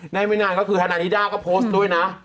ไม่นานก็คือธนานิด้าก็โพสต์ด้วยนะ